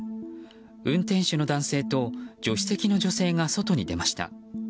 運転手の男性と助手席の女性が外に出ました。